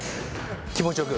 気持ち良く。